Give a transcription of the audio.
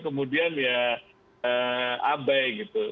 kemudian ya abai gitu